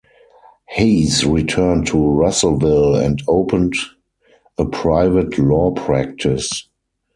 Hays returned to Russellville and opened a private law practice.